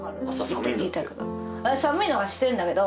寒いのは知ってるんだけど。